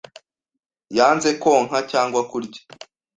yanze konka cyangwa kurya